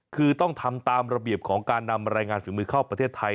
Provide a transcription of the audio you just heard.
คือต้องทำตามระเบียบของการนำรายงานฝีมือเข้าประเทศไทย